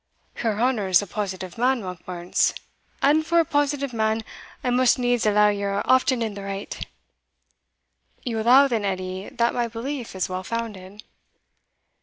"Your honour's a positive man, Monkbarns and, for a positive man, I must needs allow ye're often in the right." "You allow, then, Edie, that my belief is well founded?"